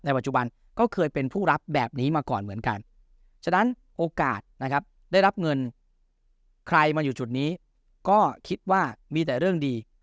ปัจจุบันก็เคยเป็นผู้รับแบบนี้มาก่อนเหมือนกันฉะนั้นโอกาสนะครับได้รับเงินใครมาอยู่จุดนี้ก็คิดว่ามีแต่เรื่องดี